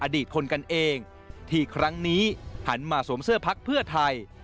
อดีตคนกันเองที่ครั้งนี้หันมาสวมเสื้อพักเพื่อไทย